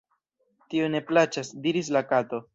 "Tio ne_ plaĉas," diris la Kato.